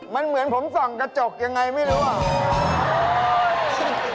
มันเหมือนผมส่งกระจกอย่างไรไม่รู้หรือ